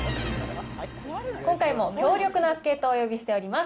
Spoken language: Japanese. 今回も強力な助っ人をお呼びしております。